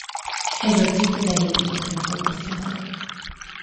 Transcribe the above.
Ez a cikk az előbbiekre fókuszál.